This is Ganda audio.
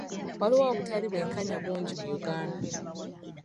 Waliwo obutali bwenkanya bungi mu Uganda.